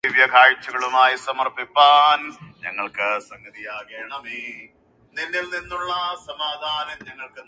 The narrow "Skarnsundet" is crossed by the Skarnsund Bridge.